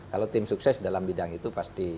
kalau tim sukses dalam bidang itu pasti